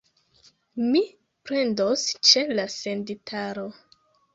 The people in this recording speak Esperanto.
Mi plendos ĉe la senditaro.